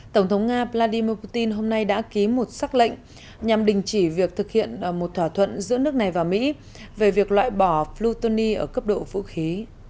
tổng thống nga vladimir putin hôm nay đã ký một xác lệnh nhằm đình chỉ việc thực hiện một thỏa thuận giữa nước này và mỹ về việc loại bỏ flutoni ở cấp độ vũ khí